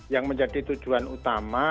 yang menjadi tujuan utama